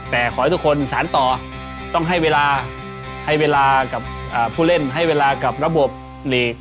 แต่ขอให้ทุกคนสารต่อต้องให้เวลาให้เวลากับผู้เล่นให้เวลากับระบบลีก